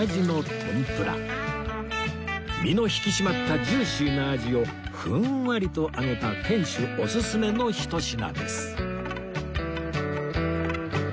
身の引き締まったジューシーなアジをふんわりと揚げた店主おすすめのひと品です